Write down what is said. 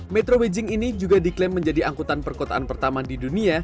metro beijing ini juga diklaim menjadi angkutan perkotaan pertama di dunia